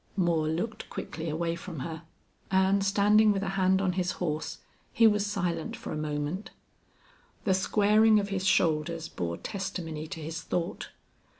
Moore looked quickly away from her, and, standing with a hand on his horse, he was silent for a moment. The squaring of his shoulders bore testimony to his thought.